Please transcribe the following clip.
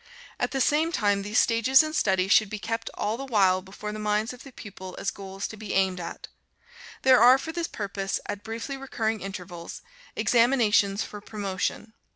At the same time, these stages in study should be kept all the while before the minds of the pupils as goals to be aimed at. There are, for this purpose, at briefly recurring intervals, examinations for promotion.